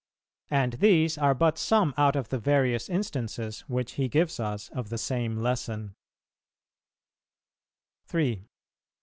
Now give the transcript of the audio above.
And these are but some out of the various instances which He gives us of the same lesson.